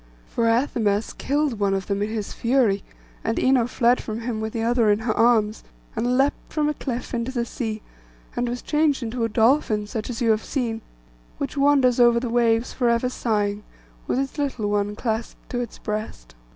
For Athamas killed one of them in his fury, and Ino fled from him with the other in her arms, and leaped from a cliff into the sea, and was changed into a dolphin, such as you have seen, which wanders over the waves for ever sighing, with its little one clasped to its breast.